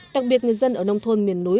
đặc biệt người dân ở nông thôn miền núi